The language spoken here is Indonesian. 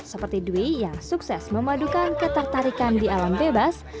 seperti dwi yang sukses memadukan ketertarikan di alam bebas